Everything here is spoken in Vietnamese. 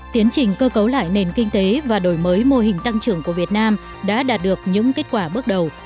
tiến trình cơ cấu lại nền kinh tế và đổi mới mô hình tăng trưởng của việt nam đã đạt được những kết quả bước đầu